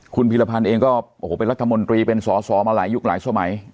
คุณพีรพันธ์เองก็โอ้โหเป็นรัฐมนตรีเป็นสอสอมาหลายยุคหลายสมัย